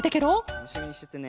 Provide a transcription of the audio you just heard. たのしみにしててね。